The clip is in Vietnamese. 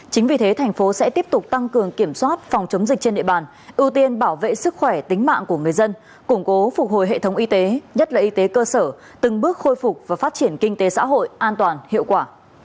chính vì thế thành phố sẽ tiếp tục tăng cường kiểm soát phòng chống dịch trên địa bàn ưu tiên bảo vệ sức khỏe tính mạng của người dân củng cố phục hồi hệ thống y tế nhất là y tế cơ sở từng bước khôi phục và phát triển kinh tế xã hội an toàn hiệu quả